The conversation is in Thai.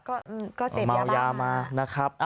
ก็เสพยามากมาวยามากนะครับ